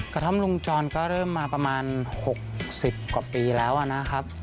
กระท่อมลุงจรก็เริ่มมาประมาณ๖๐กว่าปีแล้วนะครับ